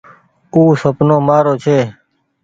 او سپنو مآرو ڇي۔